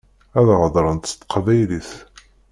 Ad heḍṛent s teqbaylit.